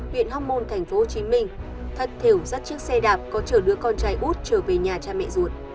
huyện hóc môn tp hcm thất thiểu dắt chiếc xe đạp có chở đưa con trai út trở về nhà cha mẹ ruột